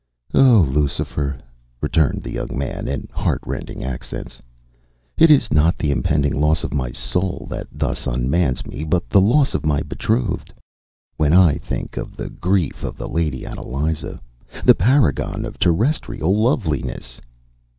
” “Oh, Lucifer,” returned the young man, in heart rending accents, “it is not the impending loss of my soul that thus unmans me, but the loss of my betrothed. When I think of the grief of the Lady Adeliza, the paragon of terrestrial loveliness!